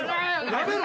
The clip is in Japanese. やめろ。